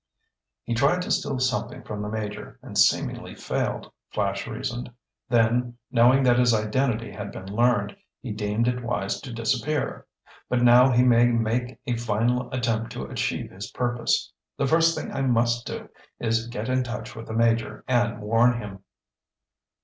"He tried to steal something from the Major and seemingly failed," Flash reasoned. "Then, knowing that his identity had been learned, he deemed it wise to disappear. But now he may make a final attempt to achieve his purpose. The first thing I must do is get in touch with the Major and warn him!"